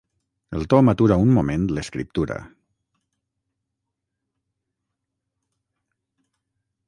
El Tom atura un moment l'escriptura.